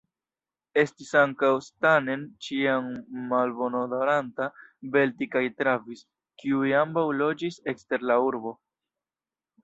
Estis ankaŭ Stanen, ĉiam malbonodoranta; Belti kaj Travis, kiuj ambaŭ loĝis ekster la urbo.